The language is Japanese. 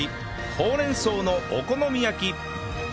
ほうれん草のお好み焼き